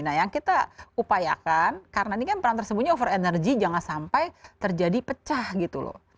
nah yang kita upayakan karena ini kan peran tersembunyi over energy jangan sampai terjadi pecah gitu loh